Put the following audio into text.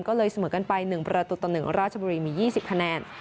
ก็เลยเสมอกันไปหนึ่งประตูต่อหนึ่งราชบุรีมียี่สิบคะแนน